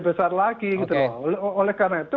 besar lagi gitu oleh karena itu